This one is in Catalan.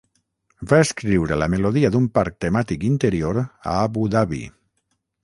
Va escriure la melodia d'un parc temàtic interior a Abu Dhabi.